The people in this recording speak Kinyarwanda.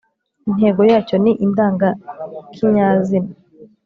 intego yacyo ni indangakinyazina